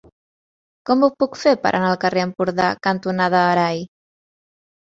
Com ho puc fer per anar al carrer Empordà cantonada Arai?